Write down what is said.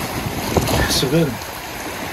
Ḥesben.